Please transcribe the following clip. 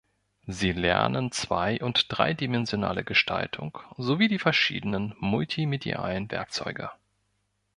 Sie lernen zwei- und dreidimensionale Gestaltung, sowie die verschiedenen multimedialen Werkzeuge.